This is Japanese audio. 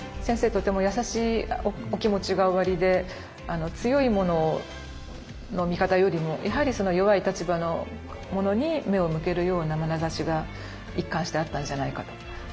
とても優しいお気持ちがおありで強い者の味方よりもやはり弱い立場の者に目を向けるような眼差しが一貫してあったんじゃないかと。